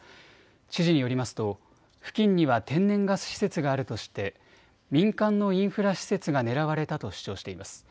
知事によりますと付近には天然ガス施設があるとして民間のインフラ施設が狙われたと主張しています。